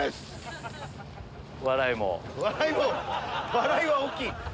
笑いは大きい！